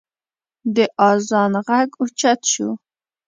د اذان غږ اوچت شو.